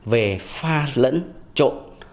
về pha lẫn trộn